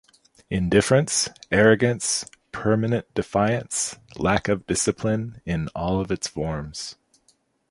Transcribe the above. Indifference, arrogance, permanent defiance, lack of discipline in all its forms.